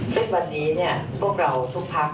ซึ่งวันนี้พวกเราทุกพัก